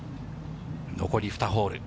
残り２ホール。